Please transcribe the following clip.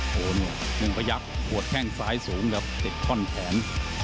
หนึ่งก็ยักษ์บวชแข้งซ้ายสูงครับเจ็ดข้อนแผน